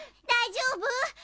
大丈夫？」